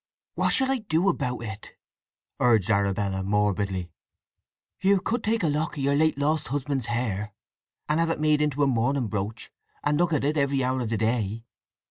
"What shall I do about it?" urged Arabella morbidly. "You could take a lock of your late lost husband's hair, and have it made into a mourning brooch, and look at it every hour of the day."